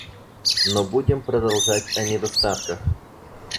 Но будем продолжать о недостатках.